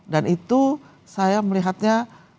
dan itu saya melihatnya